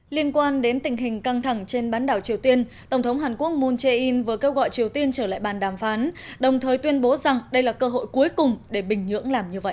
liên quan đến tình hình căng thẳng trên bán đảo triều tiên tổng thống hàn quốc moon jae in vừa kêu gọi triều tiên trở lại bàn đàm phán đồng thời tuyên bố rằng đây là cơ hội cuối cùng để bình nhưỡng làm như vậy